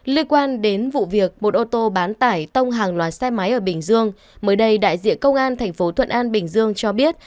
liên quan đến vụ việc một ô tô bán tải tông hàng loạt xe máy ở bình dương mới đây đại diện công an thành phố thuận an bình dương cho biết